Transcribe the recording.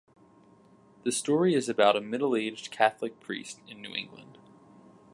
The story is about a middle-aged Catholic priest in New England.